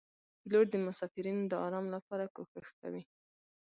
پیلوټ د مسافرینو د آرام لپاره کوښښ کوي.